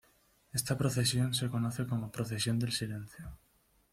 Esta procesión se conoce como Procesión del Silencio.